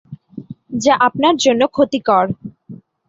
যা আপনার জন্য ক্ষতিকর।